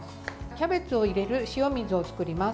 キャベツを入れる塩水を作ります。